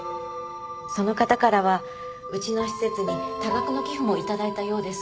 その方からはうちの施設に多額の寄付も頂いたようです。